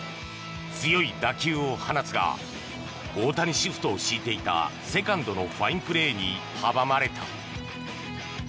強い打球を放つが大谷シフトを敷いていたセカンドのファインプレーに阻まれた。